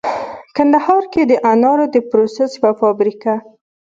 کندهار کې د انارو د پروسس یوه فابریکه